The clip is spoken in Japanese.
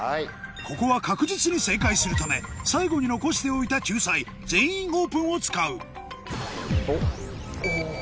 ここは確実に正解するため最後に残しておいた救済「全員オープン」を使うおぉ。